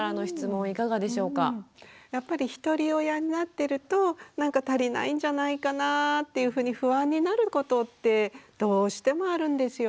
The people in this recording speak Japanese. やっぱりひとり親になってるとなんか足りないんじゃないかなぁっていうふうに不安になることってどうしてもあるんですよね。